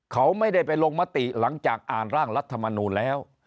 เขาไม่ได้ไปลงมติหลังจากอ่านร่างรัฐมนูลแล้ว